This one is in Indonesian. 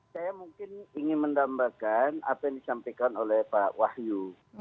saya mungkin ingin mendambakan apa yang disampaikan oleh pak wahyu